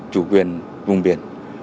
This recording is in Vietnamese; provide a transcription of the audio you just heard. chủ quyền vùng biển